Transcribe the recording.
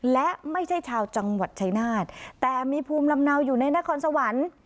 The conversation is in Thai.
และไม่ใช่ชาวจังหวัดชายนาฏแต่มีภูมิลำเนาอยู่ในนครสวรรค์